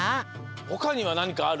ほかにはなにかある？